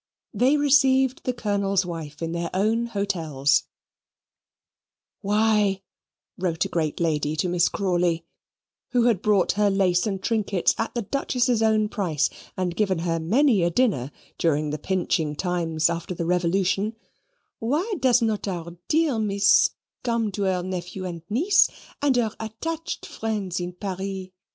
They received the colonel's wife in their own hotels "Why," wrote a great lady to Miss Crawley, who had bought her lace and trinkets at the Duchess's own price, and given her many a dinner during the pinching times after the Revolution "Why does not our dear Miss come to her nephew and niece, and her attached friends in Paris?